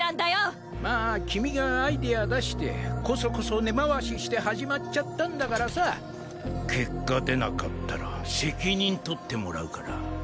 まあ君がアイデア出してコソコソ根回しして始まっちゃったんだからさ結果出なかったら責任取ってもらうから。